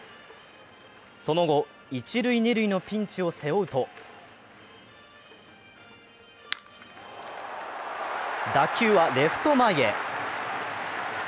その後、一塁・二塁のピンチを背負うと打球はレフト前へ。